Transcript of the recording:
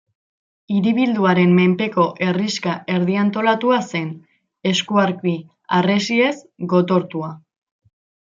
Hiribilduaren menpeko herrixka erdi-antolatua zen, eskuarki harresiez gotortua.